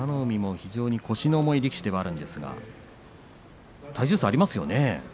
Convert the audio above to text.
海も非常に腰の重い力士ではあるんですが体重差がありますよね。